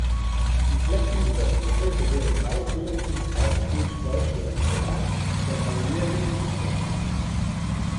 Die Flächen dieser Höfe gehören weitgehend zum Forstgut Deutschlandsberg der Familie Liechtenstein.